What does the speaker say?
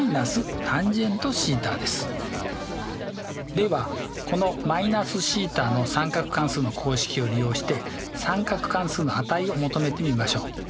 ではこの−θの三角関数の公式を利用して三角関数の値を求めてみましょう。